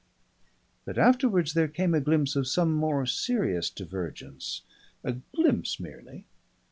But afterwards there came a glimpse of some more serious divergence a glimpse merely.